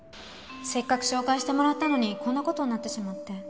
せっかく紹介してもらったのにこんな事になってしまって。